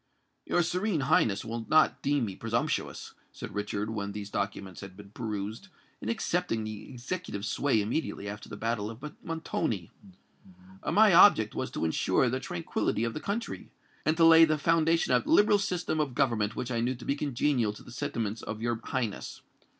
"Your Serene Highness will not deem me presumptuous," said Richard, when these documents had been perused, "in accepting the executive sway immediately after the battle of Montoni. My object was to ensure the tranquillity of the country, and to lay the foundation of that liberal system of government which I knew to be congenial to the sentiments of your Highness.